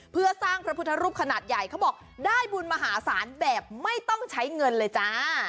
เพื่อสร้างพระพุทธรูปขนาดใหญ่เขาบอกได้บุญมหาศาลแบบไม่ต้องใช้เงินเลยจ้า